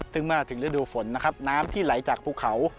ซึ่งเมื่อถึงฤดูฝนนะครับน้ำที่ไหลจากภูเขา